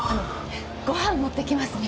ご飯持って来ますね。